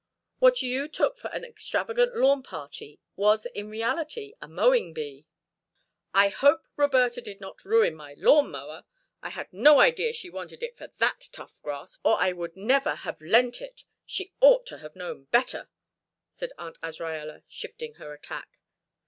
What you took for an extravagant lawn party was in reality a mowing bee. "I hope Roberta did not ruin my lawn mower; I had no idea she wanted it for that tough grass, or I would never have lent it she ought to have known better," said Aunt Azraella, shifting her attack.